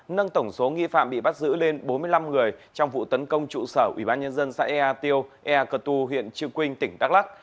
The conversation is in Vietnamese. nâng tổng số nghi phạm bị bắt giữ lên bốn mươi năm người trong vụ tấn công trụ sở ubnd xã ea tiêu ea cơ tu huyện chư quynh tỉnh đắk lắc